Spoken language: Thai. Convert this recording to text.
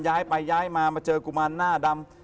ย้ายไปย้ายมามาเจอกุมารหน้าดำ